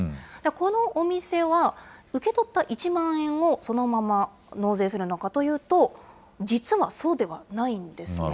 このお店は、受け取った１万円をそのまま納税するのかというと、実はそうではないんですね。